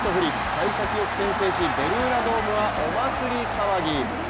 さい先よく先制し、ベルーナドームはお祭り騒ぎ。